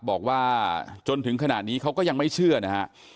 บอกว่าจนถึงขณะนี้เขาก็ยังไม่เชื่อนะฮะ